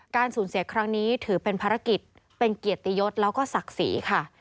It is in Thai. สูญเสียครั้งนี้ถือเป็นภารกิจเป็นเกียรติยศแล้วก็ศักดิ์ศรีค่ะ